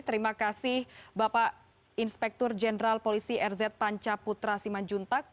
terima kasih bapak inspektur jeneral polisi rz pancaputra siman juntag